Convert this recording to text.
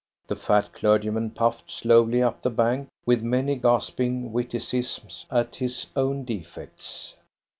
The fat clergyman puffed slowly up the bank, with many gasping witticisms at his own defects.